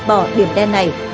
để không dẹp bỏ điểm đen này